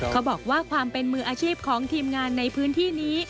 เขาบอกว่าความเป็นมืออาชีพของทีมงานในพื้นที่นี้